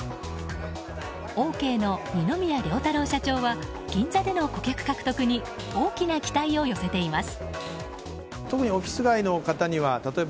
オーケーの二宮涼太郎社長は銀座での顧客獲得に大きな期待を寄せています。